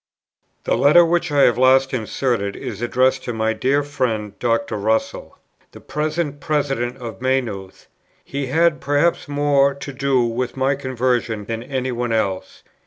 The letter which I have last inserted, is addressed to my dear friend, Dr. Russell, the present President of Maynooth. He had, perhaps, more to do with my conversion than any one else.